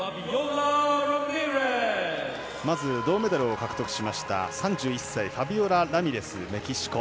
まず、銅メダルを獲得しました３１歳、ファビオラ・ラミレスメキシコ。